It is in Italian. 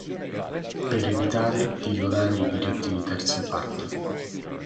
Per evitare di violare i diritti di terze parti.